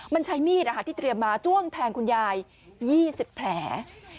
มันใช้มีดที่เตรียมมาจ้วงแทงคุณยาย๒๐แผล